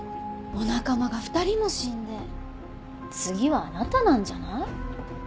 お仲間が２人も死んで次はあなたなんじゃない？